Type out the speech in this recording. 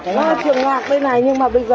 chẳng biết lấy cái trường lạc đây kìa